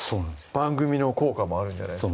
番組の効果もあるんじゃないですか